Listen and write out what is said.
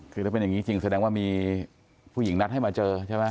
คือถ้าเป็นอย่างนี้จริงแสดงว่ามีผู้หญิงนัดให้มาเจอใช่ไหม